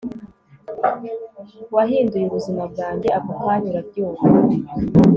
wahinduye ubuzima bwanjye ako kanya, urabyumva